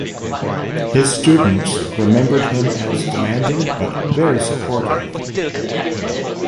His students remembered him as "demanding but very supportive".